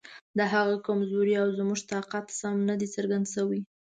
د هغه کمزوري او زموږ طاقت سم نه دی څرګند شوی.